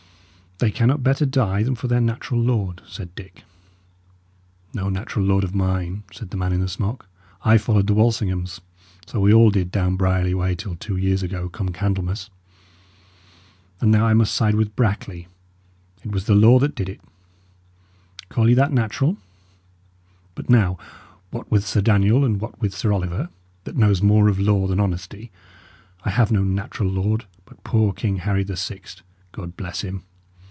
"They cannot better die than for their natural lord," said Dick. "No natural lord of mine," said the man in the smock. "I followed the Walsinghams; so we all did down Brierly way, till two years ago, come Candlemas. And now I must side with Brackley! It was the law that did it; call ye that natural? But now, what with Sir Daniel and what with Sir Oliver that knows more of law than honesty I have no natural lord but poor King Harry the Sixt, God bless him!